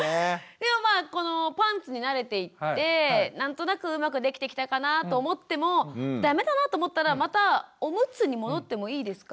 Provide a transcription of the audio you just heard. でもまあこのパンツに慣れていって何となくうまくできてきたかなと思っても駄目だなと思ったらまたオムツに戻ってもいいですか？